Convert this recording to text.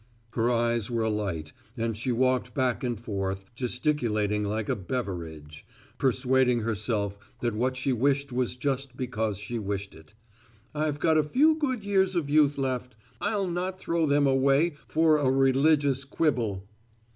Her eyes were alight and she walked back and forth, gesticulating like a Beveridge, persuading herself that what she wished was just because she wished it. "I've got a few good years of youth left. I'll not throw them away for a religious quibble."